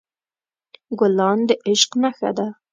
ګلان د عشق نښه ده.